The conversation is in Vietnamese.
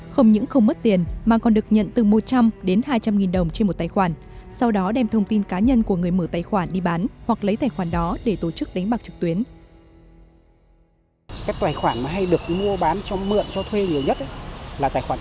không những không mất tiền mà còn được nhận từ một trăm linh đến hai trăm linh đồng trên một tài khoản